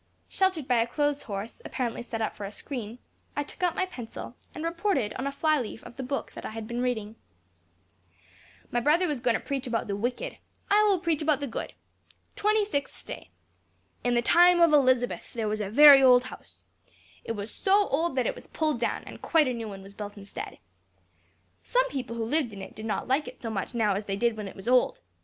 Sheltered by a clothes horse, apparently set up for a screen, I took out my pencil, and reported on a fly leaf of the book I had been reading: "My brother was goin' to preach about the wicked: I will preach about the good. Twenty sixth day. In the time of Elizabeth there was a very old house. It was so old that it was pulled down, and a quite new one was built instead. Some people who lived in it did not like it so much now as they did when it was old.